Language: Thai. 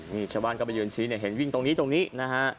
นี่ชาวบ้านก็ไปยืนชี้เนี่ยเห็นวิ่งตรงนี้ตรงนี้นะฮะ